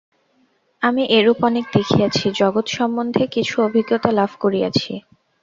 আমি এরূপ অনেক দেখিয়াছি, জগৎ-সম্বন্ধে কিছু অভিজ্ঞতা লাভ করিয়াছি।